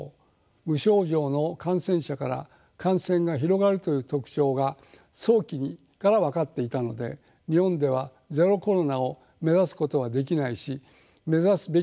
無症状の感染者から感染が広がるという特徴が早期から分かっていたので日本では「ゼロコロナ」を目指すことはできないし目指すべきではないと考え